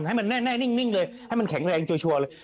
ให้มันแน่นิ่งเลยให้มันแข็งแรงชัวร์เลย